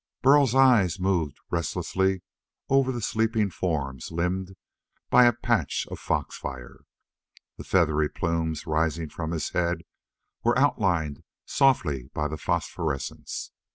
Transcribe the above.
Burl's eyes moved restlessly over the sleeping forms limned by a patch of fox fire. The feathery plumes rising from his head were outlined softly by the phosphorescence.